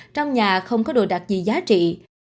trong nhà không có đồ đặc gì giá trị